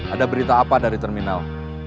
ada berita apa dari terminal